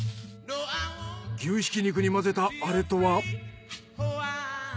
牛ひき肉に混ぜたあれとは？